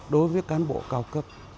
đối với cán bộ cao cấp